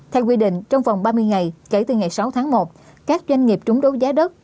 theo quy định trong vòng ba mươi ngày kể từ ngày sáu tháng một các doanh nghiệp trúng đấu giá đất